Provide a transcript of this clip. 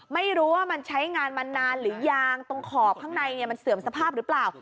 ไม่รู้ว่ามันใช้งานมานานหรือยางตรงขอบข้างในมันเสื่อมสภาพหรือเปล่า